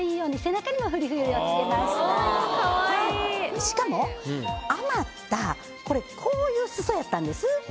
しかも余ったこれこういう裾やったんです。